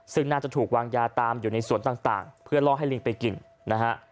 ซึ่งน่าจะถูกวางยาตามอยู่ในสวนต่างเพื่อล่อให้ลิงไปกินนะฮะ